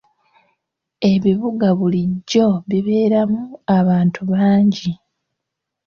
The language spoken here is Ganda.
Ebibuga bulijjo bibeeramu abantu bangi.